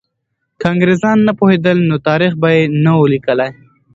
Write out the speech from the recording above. که انګریزان نه پوهېدل، نو تاریخ به یې نه وو لیکلی.